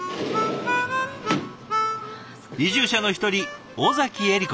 移住者の一人尾崎えり子さん。